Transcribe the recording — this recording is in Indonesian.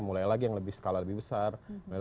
mulai lagi yang lebih skala lebih besar